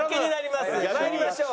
まいりましょう。